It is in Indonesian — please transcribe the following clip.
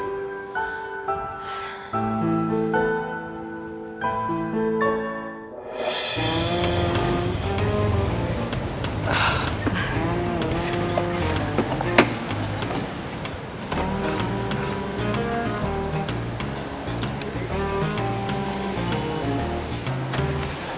sampai jumpa lagi